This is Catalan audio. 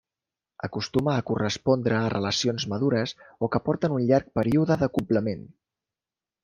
Acostuma a correspondre a relacions madures o que porten un llarg període d'acoblament.